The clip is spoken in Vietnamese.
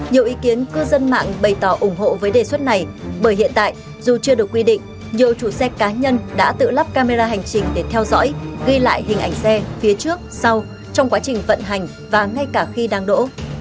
nhiều ý kiến cư dân mạng bày tỏ ủng hộ với đề xuất này bởi hiện tại dù chưa được quy định nhiều chủ xe cá nhân đã tự lắp camera hành trình để theo dõi ghi lại hình ảnh xe phía trước sau trong quá trình vận hành và ngay cả khi đang đổ